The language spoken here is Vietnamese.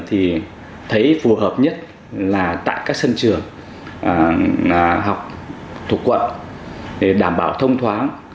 thì thấy phù hợp nhất là tại các sân trường học thuộc quận để đảm bảo thông thoáng